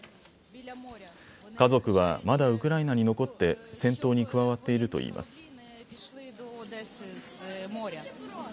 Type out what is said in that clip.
家族はまだウクライナに残って戦闘に加わっているといいます。